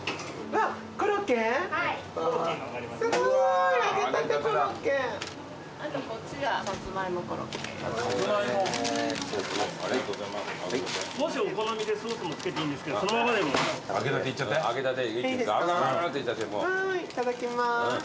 わいいただきます。